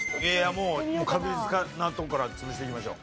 もう確実なとこから潰していきましょう。